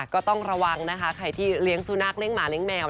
ก็ต้องระวังนะคะใครที่เลี้ยงสุนัขเลี้ยหมาเลี้ยแมว